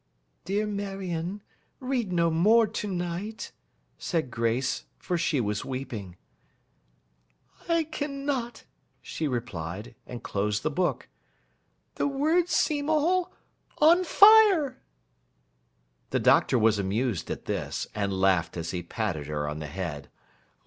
'Dear Marion, read no more to night,' said Grace for she was weeping. 'I cannot,' she replied, and closed the book. 'The words seem all on fire!' The Doctor was amused at this; and laughed as he patted her on the head.